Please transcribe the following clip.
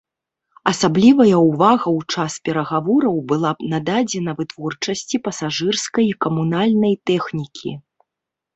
Асаблівая ўвага ў час перагавораў было нададзена вытворчасці пасажырскай і камунальнай тэхнікі.